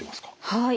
はい。